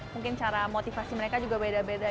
mungkin cara motivasi mereka juga beda beda